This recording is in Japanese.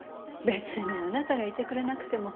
別にあなたがいてくれなくても。